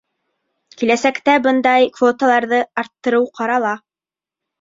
Киләсәктә бындай квоталарҙы арттырыу ҡарала.